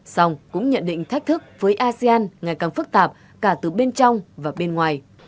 song cũng nhận định thách thức với asean ngày càng phức tạp cả từ bên trong và bên ngoài